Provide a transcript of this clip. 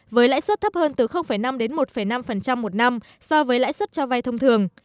với lãi suất thấp hơn từ năm đến một năm một năm so với lãi suất cho vay thông thường